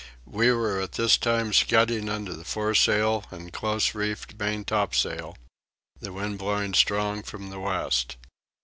We were at this time scudding under the fore sail and close reefed main top sail, the wind blowing strong from the west.